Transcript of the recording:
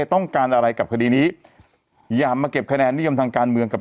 ต้องการอะไรกับคดีนี้อย่ามาเก็บคะแนนนิยมทางการเมืองกับ